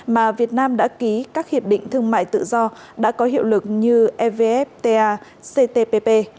mà việt nam đã ký các hiệp định thương mại tự do đã có hiệu lực như evfta ctpp